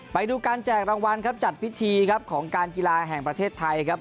ไปดูการแจกรางวัลครับจัดพิธีครับของการกีฬาแห่งประเทศไทยครับ